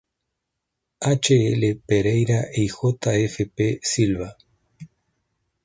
H. L. Pereira y J. F. P. Silva.